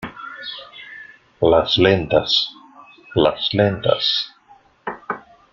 las lentas. las lentas .